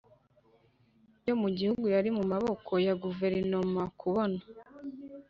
yo mu gihugu yari mu maboko ya guverinoma, kubona